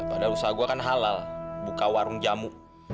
padahal usaha gue kan halal buka warung jamu